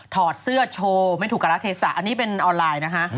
ถอดเสื้อโชว์ไม่ถูกกับลักษณ์เทศอันนี้เป็นออนไลน์นะฮะ